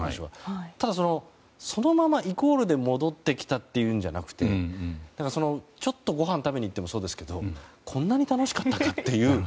ただ、そのままイコールで戻ってきたっていうのではなくてちょっとごはんを食べに行ってもそうですけどこんなに楽しかったかっていう。